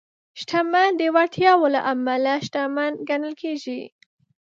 شتمن د وړتیاوو له امله شتمن ګڼل کېږي.